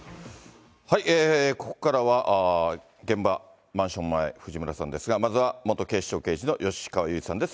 ここからは、現場マンション前、藤村さんですが、まずは元警視庁刑事の吉川祐二さんです。